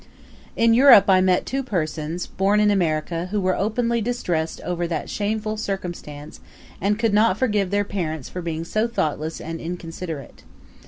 In Europe I met two persons, born in America, who were openly distressed over that shameful circumstance and could not forgive their parents for being so thoughtless and inconsiderate.